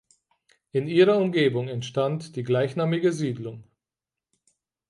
In ihrer Umgebung entstand die gleichnamige Siedlung.